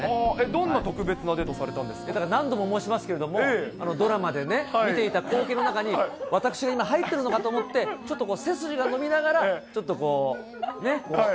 どんな特別なデートをされた何度も申しますけど、ドラマで見ていた光景の中に私が今、入ってるのかと思って、ちょっと背筋が伸びながら、ちょっとこう、ね。